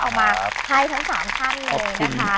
ก็เอามาใครทั้ง๓ขั้นเลยนะคะ